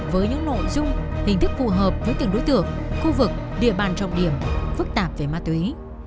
với những nội dung hình thức phù hợp với từng đối tượng khu vực địa bàn trọng điểm phức tạp về ma túy